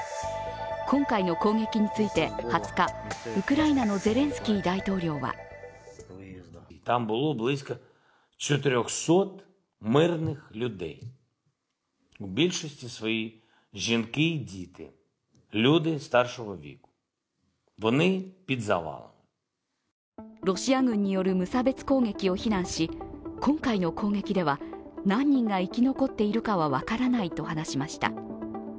今回の攻撃について２０日ウクライナのゼレンスキー大統領はロシア軍による無差別攻撃を非難し今回の攻撃では何人が生き残っているか分からないとしました。